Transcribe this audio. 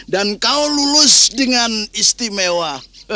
kau lulus dengan istimewa